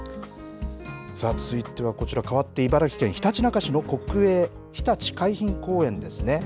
続いてはこちらかわって茨城県ひたちなか市の国営ひたち海浜公園ですね。